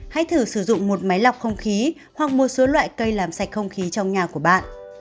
hãy thử sử dụng một máy lọc không khí hoặc một số loại cây làm sạch không khí trong nhà của bạn